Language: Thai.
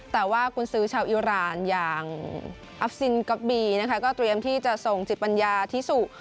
แต่ว่ากุญซื้อชาวอิราณอย่างอัฟซินก๊อปบีนะคะก็เตรียมที่จะส่งจิตปัญญาธิสุ